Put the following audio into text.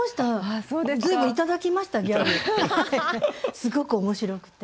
すごく面白くて。